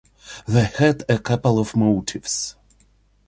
They had a couple of motives.